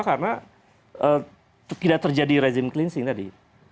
karena tidak terjadi rezim cleansing tadi